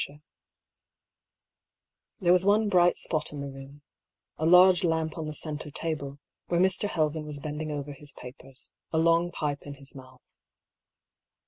There was one bright spot in the room — ^a large lamp on the centre table, where Mr. Helven was bend ing over his papers, a long pipe in his mouth.